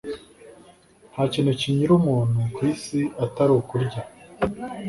nta kindi kinyura umuntu ku isi atari ukurya